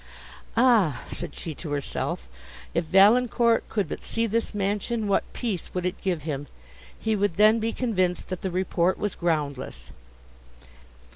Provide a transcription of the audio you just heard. "Ah!" said she to herself, "if Valancourt could but see this mansion, what peace would it give him! He would then be convinced that the report was groundless."